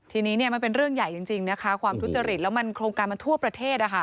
ทีนี้มันเป็นเรื่องใหญ่จริงนะคะความทุจริตแล้วมันโครงการมันทั่วประเทศ